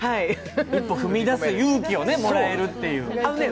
一歩踏み出す勇気をもらえるというね。